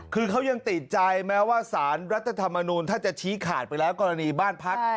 คือเขายังติดใจแม้ว่าสารรัฐธรรมนูลท่านจะชี้ขาดไปแล้วกรณีบ้านพัก